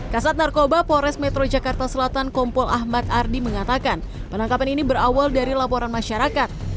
kasat narkoba polres metro jakarta selatan kompol ahmad ardi mengatakan penangkapan ini berawal dari laporan masyarakat